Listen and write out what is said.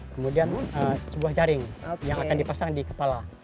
kemudian sebuah jaring yang akan dipasang di kepala